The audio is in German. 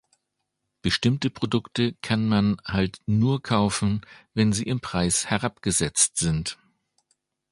Bestimmte Produkte kann man halt nur kaufen, wenn sie im Preis herabgesetzt sind.